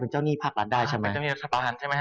เป็นเจ้าหนี้รัฐบาลใช่ไหมฮะ